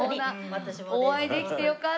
お会いできてよかったです。